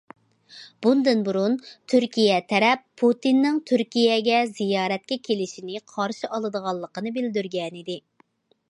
بۇندىن بۇرۇن، تۈركىيە تەرەپ پۇتىننىڭ تۈركىيەگە زىيارەتكە كېلىشىنى قارشى ئالىدىغانلىقىنى بىلدۈرگەنىدى.